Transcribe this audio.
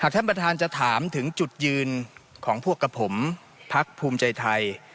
ท่านประธานจะถามถึงจุดยืนของพวกกับผมพักภูมิใจไทย